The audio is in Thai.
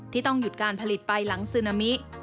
ที่ต้องหยุดการผลิตไปหลังซึนามิ